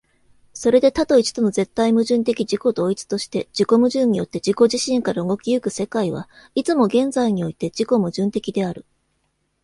それで多と一との絶対矛盾的自己同一として、自己矛盾によって自己自身から動き行く世界は、いつも現在において自己矛盾的である。